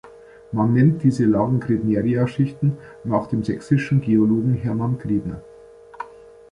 Man nennt diese Lagen "Credneria-Schichten", nach dem sächsischen Geologen Hermann Credner.